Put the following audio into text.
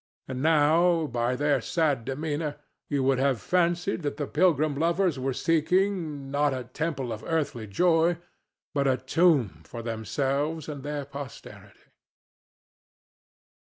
And now, by their sad demeanor, you would have fancied that the pilgrim lovers were seeking, not a temple of earthly joy, but a tomb for themselves and their posterity.